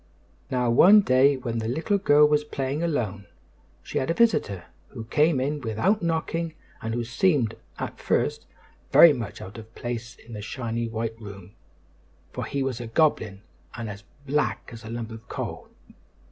Now one day when the little girl was playing alone, she had a visitor who came in without knocking and who seemed, at first, very much out of place in the shining white room, for he was a goblin and as black as a lump of coal.